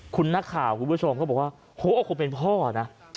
คุณนักข่าวคุณผู้ชมเขาบอกว่าโหเอาคนเป็นพ่อนะ